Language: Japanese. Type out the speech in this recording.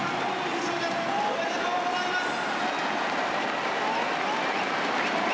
「おめでとうございます！」。